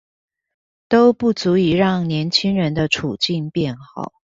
都不足以讓年輕人的處境變好